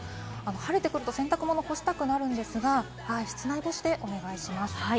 晴れてくると洗濯物、干したくなるんですが室内干しでお願いします。